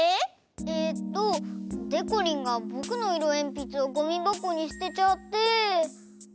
えっとでこりんがぼくのいろえんぴつをゴミばこにすてちゃって。